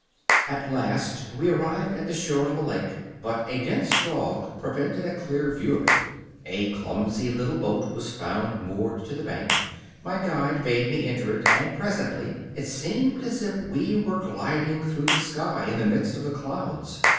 At last we arrived at the shore of a lake, but a dense fog prevented a clear view of it. A clumsy little boat was found moored to the bank; my guide bade me enter it, and presently it seemed as if we were gliding through the sky in the midst of the clouds.